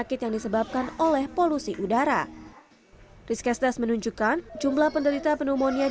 jika tidak ditangani dengan barat penyakit pneumonia akan menyebabkan penyakit pneumonia